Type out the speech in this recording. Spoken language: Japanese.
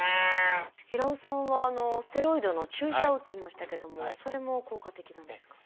平尾さんはステロイドの注射を打ってましたけどもそれも効果的なんですか？